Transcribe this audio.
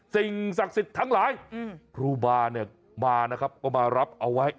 สิ่งศักดิ์สิทธิ์ทั้งหลายครูบาเนี่ยมานะครับก็มารับเอาไว้